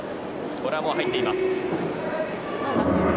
これはもう入っています。